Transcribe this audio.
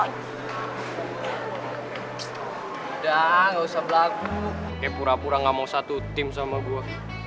udah enggak usah berlaku pura pura enggak mau satu tim sama gue